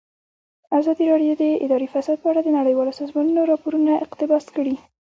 ازادي راډیو د اداري فساد په اړه د نړیوالو سازمانونو راپورونه اقتباس کړي.